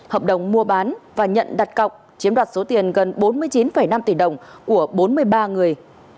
hợp đồng mua bán và nhận đặt cọc chiếm đoạt số tiền gần bốn mươi chín năm tỷ đồng của bốn mươi ba người